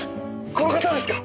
この方ですか！